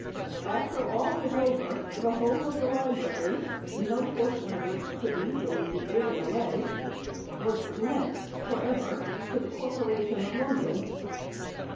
After all was over, the whole of the library, no portion of which could legally be given away, was lent for ever to the Corporation of London.